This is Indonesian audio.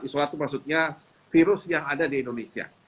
isolat itu maksudnya virus yang ada di indonesia